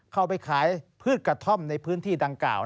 เข้าไปขายพืชกระท่อมในพื้นที่ดังกล่าว